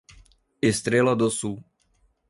Estrela do Sul